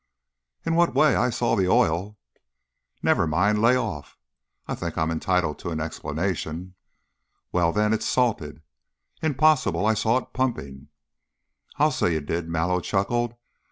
"In what way? I saw the oil " "Never mind. Lay off!" "I think I'm entitled to an explanation." "Well, then, it's salted!" "Impossible! I saw it pumping." "I'll say you did." Mallow chuckled.